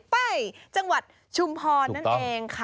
ไปจังหวัดชุมพรนั่นเองค่ะ